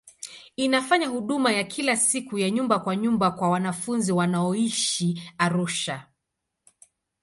Inafanya huduma ya kila siku ya nyumba kwa nyumba kwa wanafunzi wanaoishi Arusha.